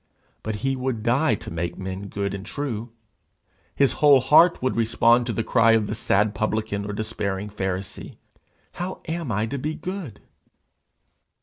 But he would die to make men good and true. His whole heart would respond to the cry of sad publican or despairing pharisee, 'How am I to be good?'